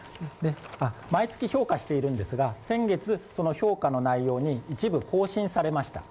毎月評価しているんですが先月その評価の内容に一部更新されました。